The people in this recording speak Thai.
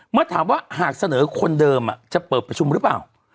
เมื่อถามว่าหากเสนอคนเดิมจะเปิดประชุมหรือเปล่า